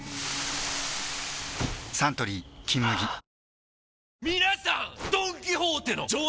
サントリー「金麦」えっ！！